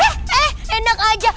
eh enak aja